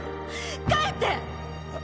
帰って！